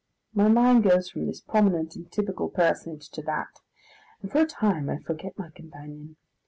My mind goes from this prominent and typical personage to that, and for a time I forget my companion.